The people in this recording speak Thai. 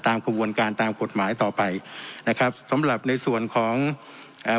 กระบวนการตามกฎหมายต่อไปนะครับสำหรับในส่วนของอ่า